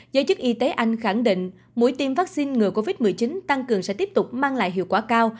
giới chức y tế anh khẳng định mũi tiêm vaccine ngừa covid một mươi chín tăng cường sẽ tiếp tục mang lại hiệu quả cao